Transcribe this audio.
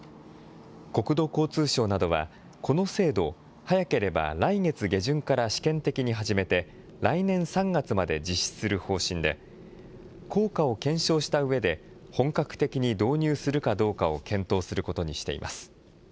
国土交通省などは、この制度を早ければ来月下旬から試験的に始めて、来年３月まで実施する方針で、効果を検証したうえで、本格的に導入するかどうかを検討することにしています。